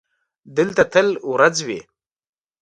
دلته تل ورځ وي.